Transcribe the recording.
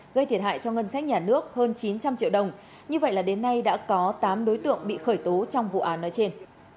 gây thiệt hại cho ngân sách nhà nước hơn chín trăm linh triệu đồng như vậy là đến nay đã có tám đối tượng bị khởi tố trong vụ án nói trên